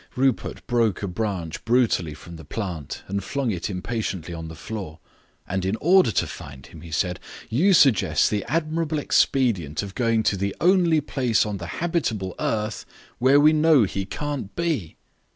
Rupert broke a branch brutally from the plant and flung it impatiently on the floor. "And in order to find him," he said, "you suggest the admirable expedient of going to the only place on the habitable earth where we know he can't be."